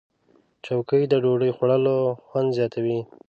چوکۍ د ډوډۍ خوړلو خوند زیاتوي.